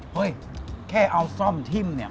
เฮ้ยแค่เอาซ่อมทิ่มเนี่ย